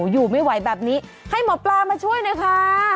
อยู่ไม่ไหวแบบนี้ให้หมอปลามาช่วยหน่อยค่ะ